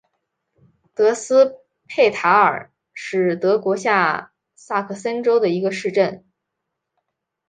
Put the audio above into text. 德斯佩塔尔是德国下萨克森州的一个市镇。